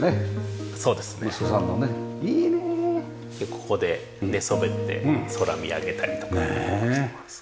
ここで寝そべって空見上げたりとかしてます。